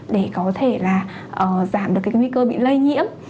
để có thể giảm được nguy cơ bị lây nhiễm